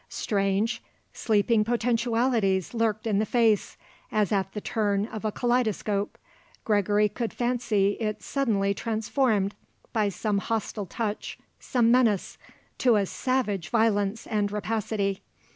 Strange, sleeping potentialities lurked in the face; as at the turn of a kaleidoscope, Gregory could fancy it suddenly transformed, by some hostile touch, some menace, to a savage violence and rapacity.